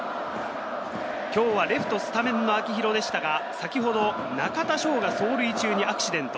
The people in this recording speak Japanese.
今日はレフトスタメンの秋広でしたが、先ほど中田翔が走塁中にアクシデント。